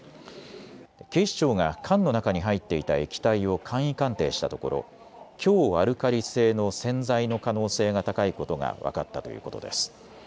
警視庁が缶の中に入っていた液体を簡易鑑定したところ、強アルカリ性の洗剤の可能性が高いことが分かったということです。